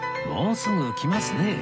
もうすぐ来ますね